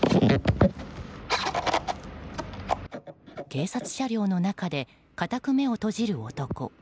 警察車両の中でかたく目を閉じる男。